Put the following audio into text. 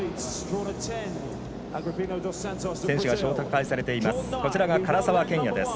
選手が紹介されています。